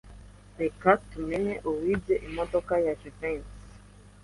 Reka tumenye uwibye imodoka ya Jivency.